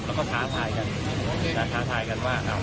แล้วก็ท้าทายกันท้าทายกันมากครับ